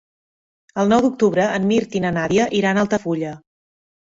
El nou d'octubre en Mirt i na Nàdia iran a Altafulla.